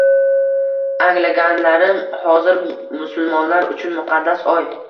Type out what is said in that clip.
Anglaganlarim hozir musulmonlar uchun muqaddas oy